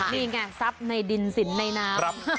นี่ไงทรัพย์ในดินสินในน้ำ